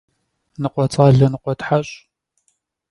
Nıkhuets'ale - nıkhuetheş'.